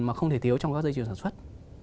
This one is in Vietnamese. mà không thể thiếu trong các dây chuyền sản xuất